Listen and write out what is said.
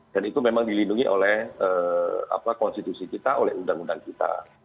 dan itu memang dilindungi oleh konstitusi kita oleh undang undang kita